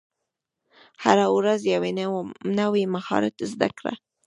هره ورځ یو نوی مهارت زده کړه.